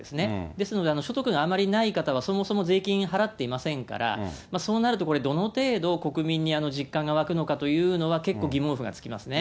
ですので所得があまりない方はそもそも税金払っていませんから、そうなると、どの程度、国民に実感が湧くのかというのは、結構疑問符がつきますね。